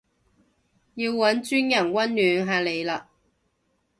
要搵專人溫暖下你嘞